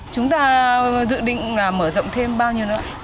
chúng ta dự định là mở rộng thêm bao nhiêu nữa